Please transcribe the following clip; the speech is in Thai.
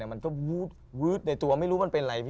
มันก็วุ๊ดในตัวไม่รู้เป็นไร